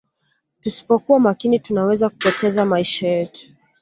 tuspokuwa makini tunaweza kupoteza maisha yetu